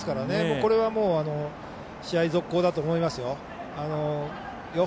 これはもう試合続行だと思いますよ。